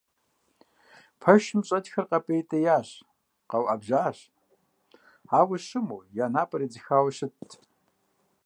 Пэшым щӀэтхэр къэпӀейтеящ, къэуӀэбжьащ, ауэ щыму, я напӀэр едзыхауэ щытт.